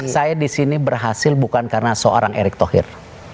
saya di sini berhasil bukan karena seorang erick thohir